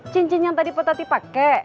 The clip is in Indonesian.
cincin yang tadi potati pakai